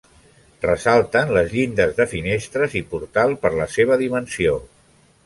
Ressalten les llindes de finestres i portal per la seva dimensió.